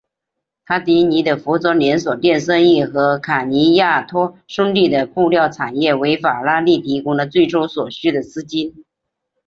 塔迪尼的服装连锁店生意和卡尼亚托兄弟的布料产业为法拉利提供了最初所需的资金。